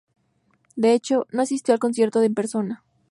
De hecho, no asistió al concierto en persona.